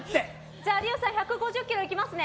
じゃあ、有吉さん１５０キロいきますね。